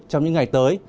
trong những ngày tới